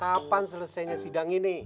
lengkapan selesainya sidang ini